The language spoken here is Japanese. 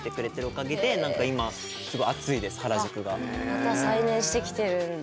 また再燃してきてるんだ。